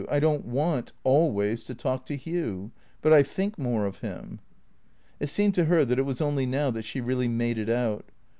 I don't want — always — to talk to Hugh. But — I think more of him." It seemed to her that it was only now that she really made it out.